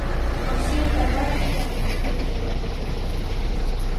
Макси, тарвате-ян ӱдыр-влакетым.